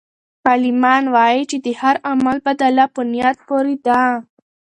عالمان وایي چې د هر عمل بدله په نیت پورې ده.